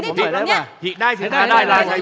ก็เปิดถ่ายอย่างนี้